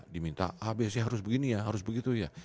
diminta ah biasanya harus begini ya harus begitu ya